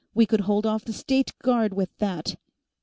We could hold off the State Guard with that."